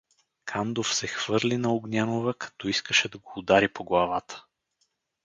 Кандов се хвърли на Огнянова, като искаше да го удари по главата.